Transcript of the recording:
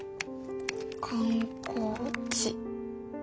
観光地。